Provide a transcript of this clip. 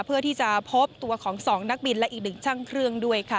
เพื่อที่จะพบตัวของ๒นักบินและอีกหนึ่งช่างเครื่องด้วยค่ะ